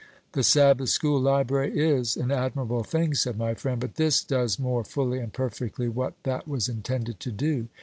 "The Sabbath school library is an admirable thing," said my friend; "but this does more fully and perfectly what that was intended to do.